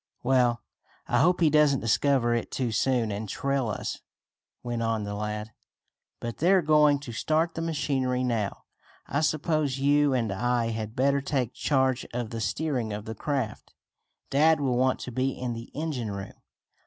"Well, I hope he doesn't discover it too soon and trail us," went on the lad. "But they're going to start the machinery now. I suppose you and I had better take charge of the steering of the craft. Dad will want to be in the engine room."